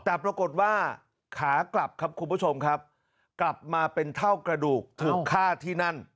แต่ปรากฏว่าขากลับครับคุณผู้ชมครับกลับมาเป็นเท่ากระดูกถูกฆ่าที่นั่น